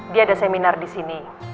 dia ada seminar disini